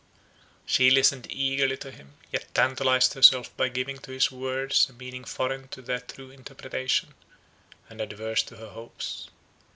She listened eagerly to him, yet tantalized herself by giving to his words a meaning foreign to their true interpretation, and adverse to her hopes.